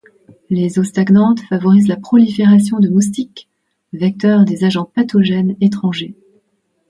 Les eaux stagnantes favorisent la prolifération de moustiques, vecteur des agents pathogènes étrangers.